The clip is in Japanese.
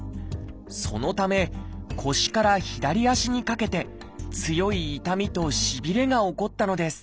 そのため腰から左足にかけて強い痛みとしびれが起こったのです。